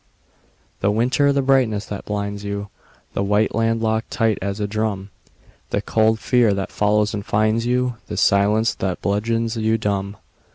The winter! the brightness that blinds you, The white land locked tight as a drum, The cold fear that follows and finds you, The silence that bludgeons you dumb.